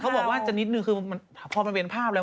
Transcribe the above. บอกว่าจะนิดนึงคือพอมันเป็นภาพแล้ว